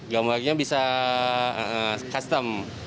gambarnya bisa custom